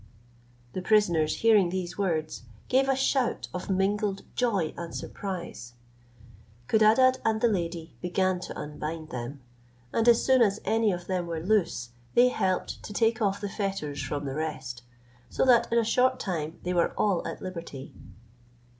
The prisoners hearing these words, gave a shout of mingled joy and surprise. Codadad and the lady began to unbind them; and as soon as any of them were loose, they helped to take off the fetters from the rest; so that in a short time they were all at liberty.